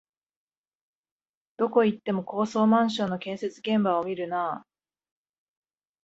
どこ行っても高層マンションの建設現場を見るなあ